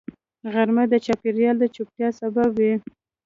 غرمه د چاپېریال د چوپتیا سبب وي